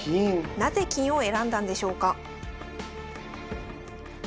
なぜ金を選んだんでしょうか。